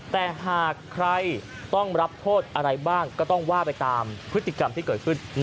แต่หากใครต้องรับโทษอะไรบ้างก็ต้องว่าไปตามพฤติกรรมที่เกิดขึ้น